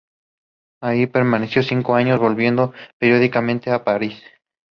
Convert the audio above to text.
Allí permaneció cinco años, volviendo periódicamente a París.